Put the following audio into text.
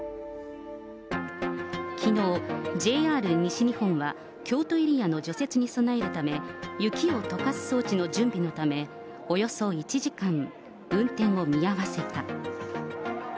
きのう、ＪＲ西日本は京都エリアの除雪に備えるため、雪をとかす装置の準備のため、およそ１時間、運転を見合わせた。